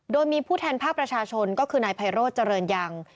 โดยมีผู้แทนภาคประชาชนก็คือนายไพโรธเจริญยัง